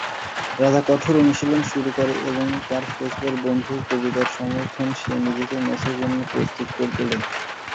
রাজা কঠোর অনুশীলন শুরু করে এবং তার শৈশবের বন্ধু কবিতার সমর্থন সে নিজেকে ম্যাচের জন্য প্রস্তুত করে তোলে।